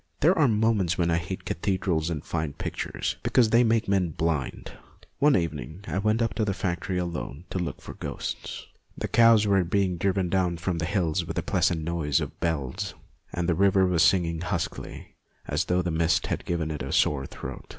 There MONTJOIE 247 are moments when I hate cathedrals and fine pictures, because they make men blind. One evening I went up to the factory alone to look for ghosts. The cows were being driven down from the hills with a pleasant noise of bells, and the river was singing huskily, as though the mist had given it a sore throat.